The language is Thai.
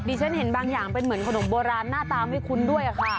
ฉันเห็นบางอย่างเป็นเหมือนขนมโบราณหน้าตาไม่คุ้นด้วยค่ะ